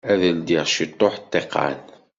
Ad ldiɣ ciṭuḥ ṭṭiqan.